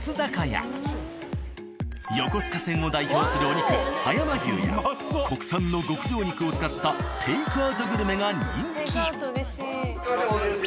横須賀線を代表するお肉葉山牛や国産の極上肉を使ったテイクアウトうれしい。